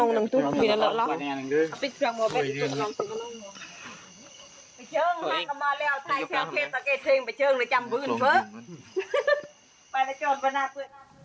พูดภาษาศาสตร์